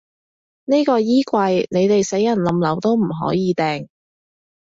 呢個衣櫃，你哋死人冧樓都唔可以掟